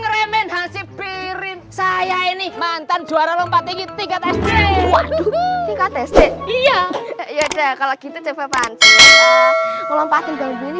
remen hansi pirin saya ini mantan juara lompat tinggi tiga t tiga iya kalau gitu cewek